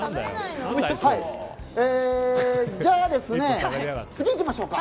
じゃあ、次行きましょうか。